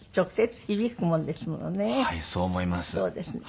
そうですね。